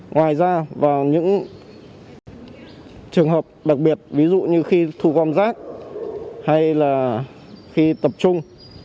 ngoài ra vào những trường hợp đặc biệt ví dụ như khi thu gom rác hay là khi tập trung